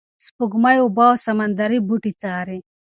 سپوږمکۍ اوبه او سمندري بوټي څاري.